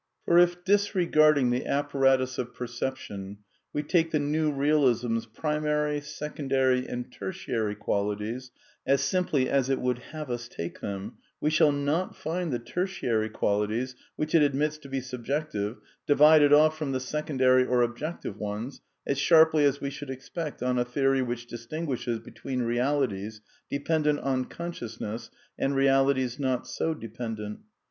For if, disregarding the apparatus of perception, we take the New Eealism's primary, secondary, and tertiary "^ qualities as simply as it would have us take them, we shall not find the tertiary qualities, which it admits to be sub jective, divided off from the secondary or objective ones as sharply as we should expect on a theory which distin guishes between realities dependent on consciousness and realities not so dependent.